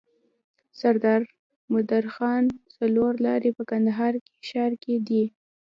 سرداد مدخان څلور لاری په کندهار ښار کي دی.